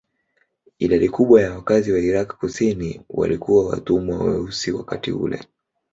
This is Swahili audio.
Idadi kubwa ya wakazi wa Irak kusini walikuwa watumwa weusi wakati ule.